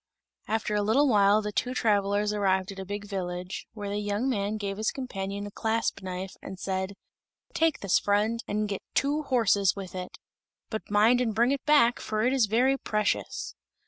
After a little while the two travelers arrived at a big village, where the young man gave his companion a clasp knife, and said, "Take this, friend, and get two horses with it; but mind and bring it back, for it is very precious."